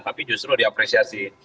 tapi justru diapresiasi